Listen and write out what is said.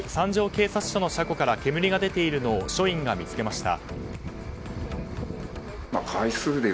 警察署の車庫から煙が出ているのを署員が見つけました。